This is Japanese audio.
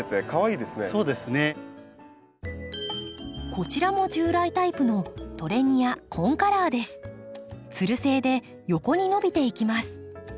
こちらも従来タイプのつる性で横に伸びていきます。